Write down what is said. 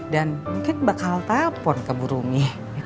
dan mungkin bakal telfon ke bu rumi